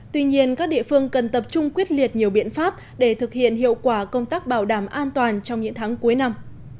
tuy nhiên các địa phương cần tập trung quyết liệt nhiều biện pháp để thực hiện hiệu quả công tác bảo đảm an toàn trong những tháng cuối năm